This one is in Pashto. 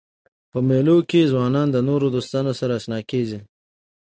په مېلو کښي ځوانان د نوو دوستانو سره اشنا کېږي.